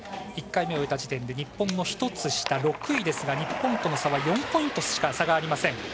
１回目を終えた時点で日本の１つ下、６位ですが日本との差は４ポイントしか差がありません。